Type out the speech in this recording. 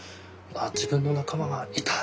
ああ自分の仲間がいた！